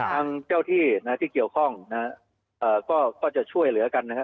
ทั้งเจ้าที่ที่เกี่ยวข้องก็จะช่วยเหลือกันนะครับ